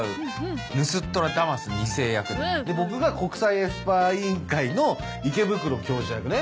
ボクが国際エスパー委員会の池袋教授役ね。